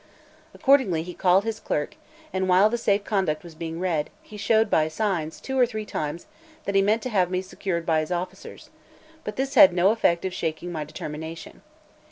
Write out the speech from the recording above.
Accordingly he called his clerk, and while the safe conduct as being read, he showed by signs two or three times that he meant to have me secured by his officers; but this had no effect of shaking my determination.